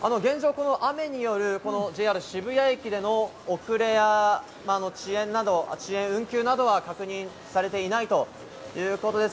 この雨によるＪＲ渋谷駅での遅れや遅延、運休などは確認されていないということです。